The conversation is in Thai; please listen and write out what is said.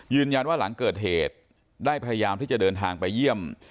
หลังเกิดเหตุได้พยายามที่จะเดินทางไปเยี่ยม